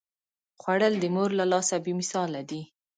خوړل د مور له لاسه بې مثاله دي